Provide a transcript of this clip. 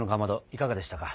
いかがでしたか。